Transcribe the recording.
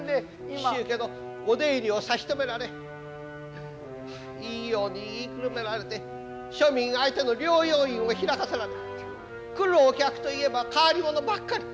紀州家のお出入りを差し止められいいように言いくるめられて庶民相手の療養院を開かせられ来るお客といえば変わり者ばっかり。